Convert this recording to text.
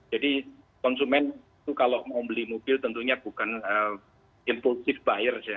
jadi konsumen itu kalau mau beli mobil tentunya bukan impulsif buyer